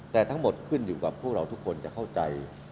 แต่ทั้งหมดขึ้นอยู่กับพวกเราทุกคนจะเข้าใจ